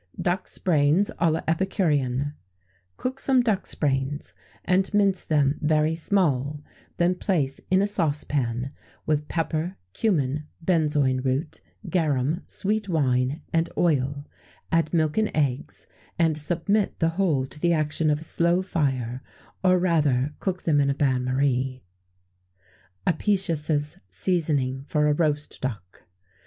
[XVII 46] Ducks' Brains à l'Epicurienne. Cook some ducks' brains, and mince them very small; then place in a saucepan, with pepper, cummin, benzoin root, garum, sweet wine, and oil; add milk and eggs, and submit the whole to the action of a slow fire, or rather, cook them in a bain marie.[XVII 47] _Apicius's Seasoning for a Roast Duck.